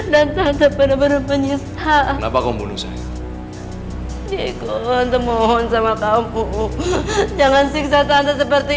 dan tante penuh penyisah kenapa kau bunuh saya ikut mohon sama kamu jangan siksa tante seperti